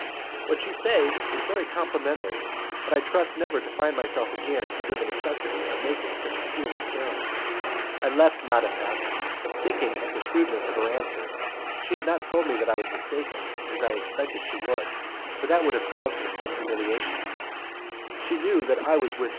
"What you say is very complimentary, but I trust never to find myself again under the necessity of making such a cruel experiment." I left Madame F , thinking of the shrewdness of her answer. She had not told me that I was mistaken, as I had expected she would, for that would have caused her some humiliation: she knew that I was with M.